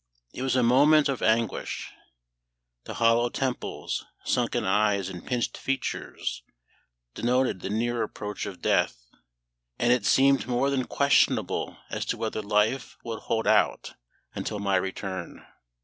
It was a moment of anguish. The hollow temples, sunken eyes, and pinched features denoted the near approach of death; and it seemed more than questionable as to whether life would hold out until my return.